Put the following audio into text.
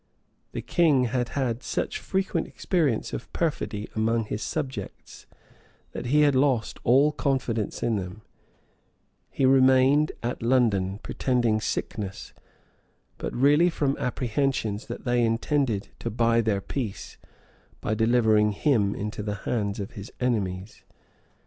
The king had had such frequent experience of perfidy among his subjects, that he had lost all confidence in them: he remained at London, pretending sickness, but really from apprehensions that they intended to buy their peace, by delivering him into the hands of his enemies.